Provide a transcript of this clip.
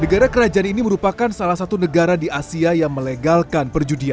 negara kerajaan ini merupakan salah satu negara di asia yang melegalkan perjudian